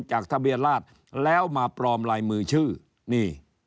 จากทะเบียนราชแล้วมาปลอมลายมือชื่อนี่